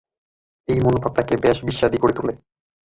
এই মনোভাব তাকে বেশ বিস্বাদী করে তোলে।